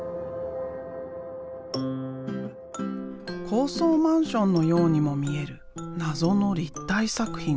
高層マンションのようにも見える謎の立体作品。